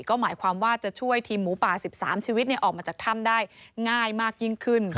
ก็หมายความว่าจะช่วยทีมหมูป่า๑๓ชีวิตออกมาจากถ้ำได้ง่ายมากยิ่งขึ้น